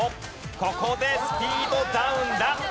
ここでスピードダウンだ！